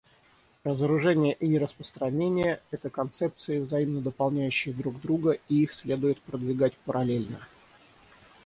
Разоружение и нераспространение — это концепции, взаимно дополняющие друг друга и их следует продвигать параллельно.